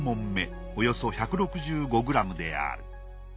およそ１６５ｇである。